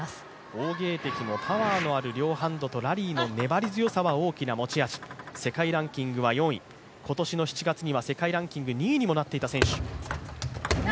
王ゲイ迪もパワーのある両ハンドと、ラリーの粘り強さは大きな持ち味、世界ランキングは４位、今年の７月には世界ランキング２位にもなっていた選手。